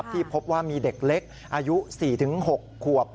ที่พบว่ามีเด็กเล็กอายุ๔๖ขวบ